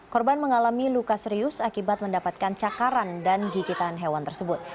korban mengalami luka serius akibat mendapatkan cakaran dan gigitan hewan tersebut